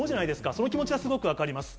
その気持ちはすごく分かります。